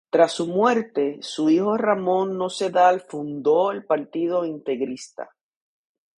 Tras su muerte, su hijo Ramón Nocedal fundó el partido integrista.